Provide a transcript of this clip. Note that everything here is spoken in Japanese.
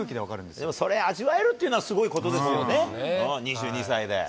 でもそれを味わえるというのはすごいことですよね、２２歳で。